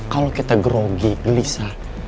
kalo kita grogi gelisah